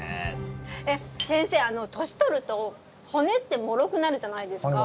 先生、歳取ると骨ってもろくなるじゃないですか？